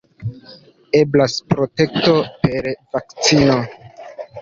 Eblas protekto per vakcino.